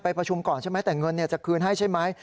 ประชุมก่อนใช่ไหมแต่เงินจะคืนให้ใช่ไหม